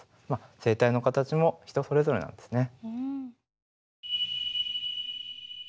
声帯の形も人それぞれなんですね。